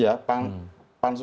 ya pansus anget ini itu alasan